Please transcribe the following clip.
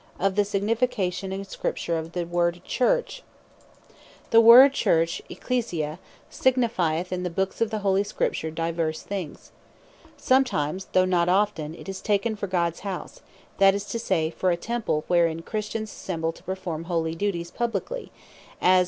OF THE SIGNIFICATION IN SCRIPTURE OF THE WORD CHURCH Church The Lords House The word Church, (Ecclesia) signifieth in the Books of Holy Scripture divers things. Sometimes (though not often) it is taken for Gods House, that is to say, for a Temple, wherein Christians assemble to perform holy duties publiquely; as, 1 Cor. 14. ver.